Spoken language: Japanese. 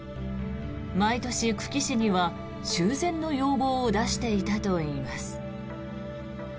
毎年、久喜市には修繕の要望を出していたといいます。